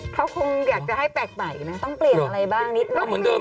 เขาคงอยากกล้องกว้างอย่างเดียว